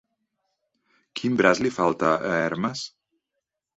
Quin braç li falta a Hermes?